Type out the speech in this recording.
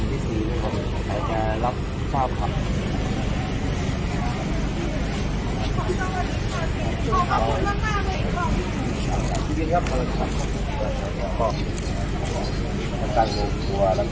เพลงที่ของที่ใครจะรับคุณชอบครับ